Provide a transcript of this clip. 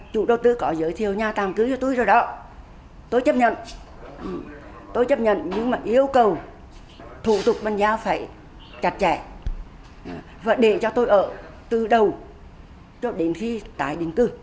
chủ đầu tư có giới thiệu nhà tàm cư cho tôi rồi đó tôi chấp nhận tôi chấp nhận nhưng mà yêu cầu thủ tục bàn giao phải chặt chẽ và để cho tôi ở từ đầu cho đến khi tái định cư